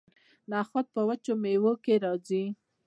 نخود په وچو میوو کې راځي.